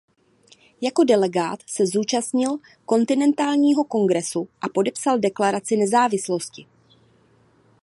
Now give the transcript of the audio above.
Jako delegát se zúčastnil kontinentálního kongresu a podepsal Deklaraci nezávislosti.